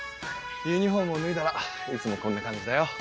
ユニホームを脱いだらいつもこんな感じだよ。